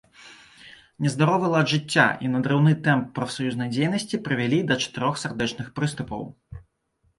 Нездаровы лад жыцця і надрыўны тэмп прафсаюзнай дзейнасці прывялі да чатырох сардэчных прыступаў.